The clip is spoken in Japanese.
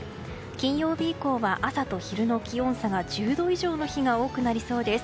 金曜日以降は朝と昼の気温差が１０度以上の日が多くなりそうです。